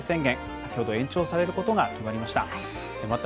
先ほど延長されることが決まりました。